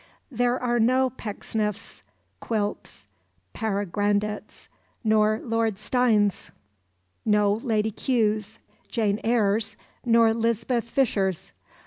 There are no Pecksniffs, Quilps, Père Grandets, nor Lord Steynes; no Lady Kews, Jane Eyres, nor Lisbeth Fischers.